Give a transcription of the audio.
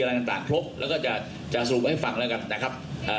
อย่างต่างครบแล้วก็จะสรุปให้ไม่ฟังแล้วกันนะครับ